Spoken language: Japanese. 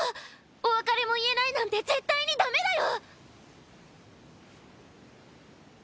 お別れも言えないなんて絶対にダメだよ。